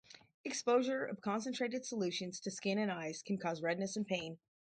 Exposure of concentrated solutions to skin and eyes can cause redness and pain.